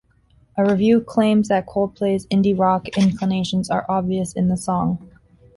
A review claims that Coldplay's indie rock inclinations are obvious in the song.